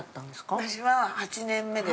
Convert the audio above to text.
◆私は、８年目で。